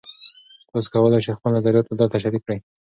تاسي کولای شئ خپل نظریات دلته شریک کړئ.